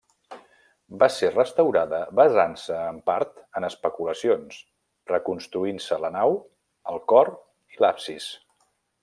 Va ser restaurada basant-se en part en especulacions, reconstruint-se la nau, el cor i l'absis.